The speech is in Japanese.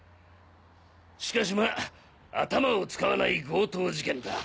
しかしまあ頭を使わない強盗事件だ。